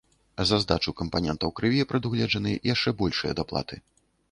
За здачу кампанентаў крыві прадугледжаны яшчэ большыя даплаты.